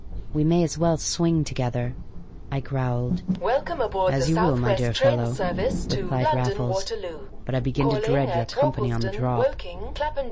"We may as well swing together!" I growled. "As you will, my dear fellow," replied Raffles. "But I begin to dread your company on the drop!"